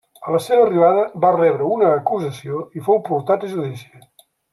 A la seva arribada va rebre una acusació i fou portat a judici.